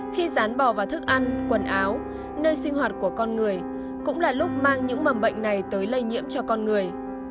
khi dán bò vào thức ăn quần áo nơi sinh hoạt của con người cũng là lúc mang những mầm bệnh này tới lây nhiễm cho con người